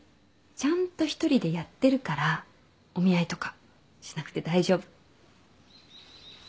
ちゃんと一人でやってるからお見合いとかしなくて大丈夫。